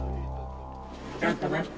ちょっと待って。